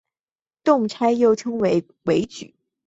动差又被称为矩。